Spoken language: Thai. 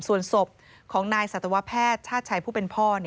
ส่วนศพของนายสัตวแพทย์ชาติชัยผู้เป็นพ่อ